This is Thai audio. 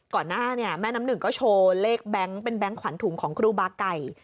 หน้าเนี่ยแม่น้ำหนึ่งก็โชว์เลขแบงค์เป็นแก๊งขวัญถุงของครูบาไก่